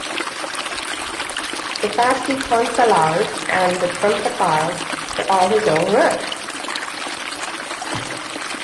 The "Fasti Consulares" and "Triumphales" were all his own work.